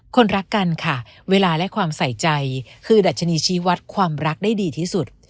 คนรักกันค่ะเวลาและความใส่ใจคือดัชนีชี้วัดความรักได้ดีที่สุด